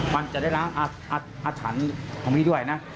มันจะได้ล้างอาถรรพ์ของพี่ด้วยนะ